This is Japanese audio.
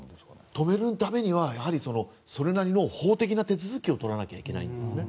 止めるためにはそれなりの法的な手続きを取らなきゃいけないんですね。